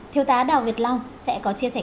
thiếu tá đào việt long sẽ có chia sẻ